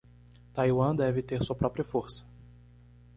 Taiwan deve ter sua própria força